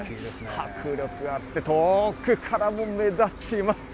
迫力あって、遠くからも目立ちます。